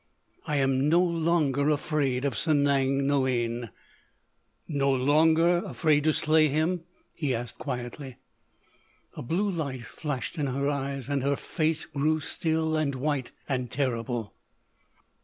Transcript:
"I am no longer afraid of Sanang Noïane!" "No longer afraid to slay him?" he asked quietly. A blue light flashed in her eyes and her face grew still and white and terrible.